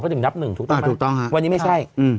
เขาถึงนับหนึ่งถูกต้องไหมอ่าถูกต้องครับวันนี้ไม่ใช่อืม